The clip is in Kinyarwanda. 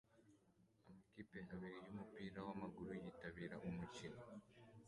Amakipe abiri yumupira wamaguru yitabira umukino